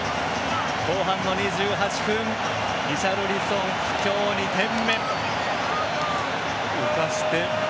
後半の２８分リシャルリソン、今日２点目。